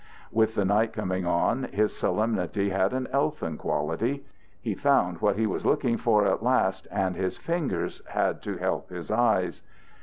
With the night coming on, his solemnity had an elfin quality. He found what he was looking for at last, and his fingers had to help his eyes.